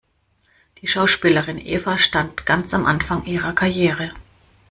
Die Schauspielerin Eva stand ganz am Anfang ihrer Karriere.